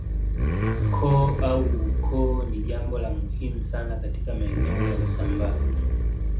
Koo au ukoo ni jambo la muhimu sana katika maeneo ya Usambaa